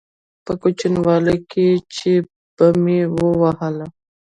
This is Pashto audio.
په کوچنيوالي کښې چې به مې واهه.